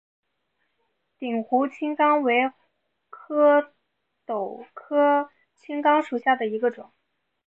鼎湖青冈为壳斗科青冈属下的一个种。